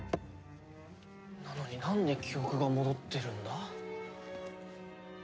なのになんで記憶が戻ってるんだ？